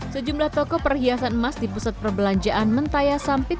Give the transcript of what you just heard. sejumlah toko perhiasan emas di pusat perbelanjaan mentaya sampit